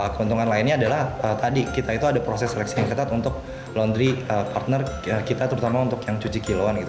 keuntungan lainnya adalah tadi kita itu ada proses seleksi yang ketat untuk laundry partner kita terutama untuk yang cuci kiloan gitu